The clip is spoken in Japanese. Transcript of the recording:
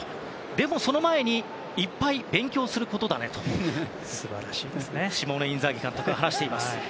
でも、その前にいっぱい勉強することだねとシモーネ・インザーギ監督が話しています。